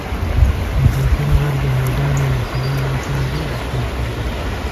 د زیتون غر د یهودانو او عیسویانو لپاره ډېر اهمیت لري.